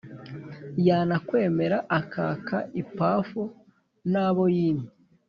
yanakwemera akaka ipafu nabo yimye